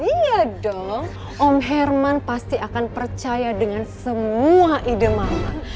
iya dong om herman pasti akan percaya dengan semua ide mama